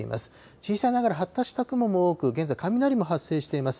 小さいながら発達した雲も多く、現在雷も発生しています。